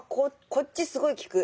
こっちすごい効く。